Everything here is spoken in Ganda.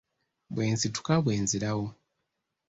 Bwe nsituka bwe nzirawo.